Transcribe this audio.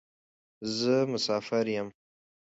زه مسافر یم.